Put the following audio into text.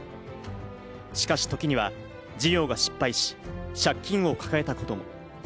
しかし時には事業が失敗し、借金を抱えたことも。